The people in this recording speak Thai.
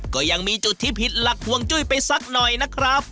ก็ยังมีจุดที่ผิดหลักห่วงจุ้ยไปสักหน่อยนะครับ